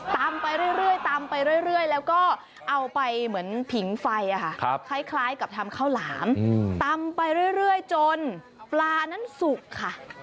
ไปเรื่อยตำไปเรื่อยแล้วก็เอาไปเหมือนผิงไฟคล้ายกับทำข้าวหลามตำไปเรื่อยจนปลานั้นสุกค่ะ